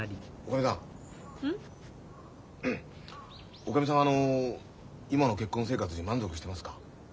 おかみさんはあの今の結婚生活に満足してますか？